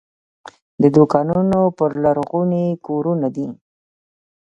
د دوکانونو پر لرغوني کورونه دي.